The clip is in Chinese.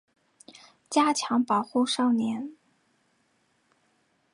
加强保护少年